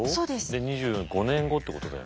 で２４５年後ってことだよね。